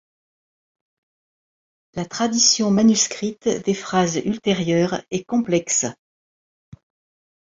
La tradition manuscrite des phases ultérieures est complexe.